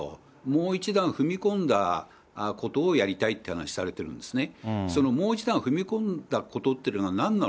もう一段踏み込んだことをやりたいっていうお話されているんですね。